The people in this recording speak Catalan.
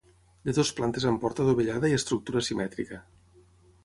De dues plantes amb porta adovellada i estructura simètrica.